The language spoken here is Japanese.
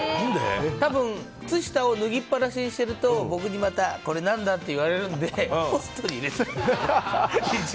多分、靴下を脱ぎっぱなしにしていると僕にまた、これなんだって言われるんで、ポストに入れてる。